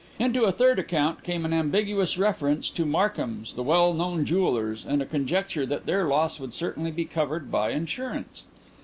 Into a third account came an ambiguous reference to Markhams, the well known jewellers, and a conjecture that their loss would certainly be covered by insurance.